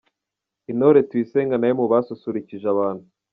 Intore Tuyisenge nawe mu basusurukije abantu.